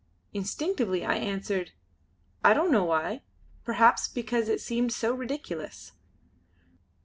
Instinctively I answered: "I don't know why. Perhaps because it seemed so ridiculous."